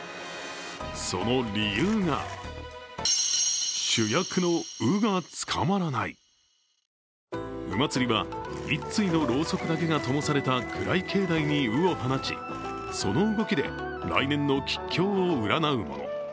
その理由が鵜祭は、１対のろうそくだけがともされた暗い境内に鵜を放ち、その動きで来年の吉凶を占うもの。